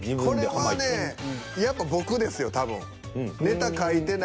これはねやっぱ僕ですよ多分。